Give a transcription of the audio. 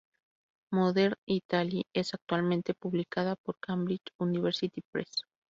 Modern Italy, es actualmente publicada por Cambridge University Press.